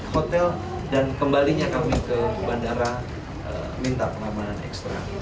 hotel dan kembalinya kami ke bandara minta pengamanan ekstra